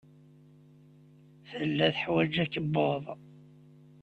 Tella teḥwaj akebbuḍ.